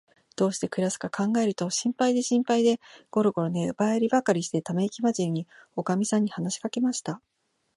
どうしてくらすかかんがえると、心配で心配で、ごろごろ寝がえりばかりして、ためいきまじりに、おかみさんに話しかけました。